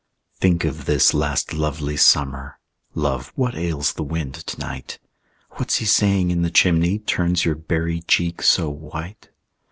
Think of this last lovely summer! Love, what ails the wind to night? What's he saying in the chimney Turns your berry cheek so white?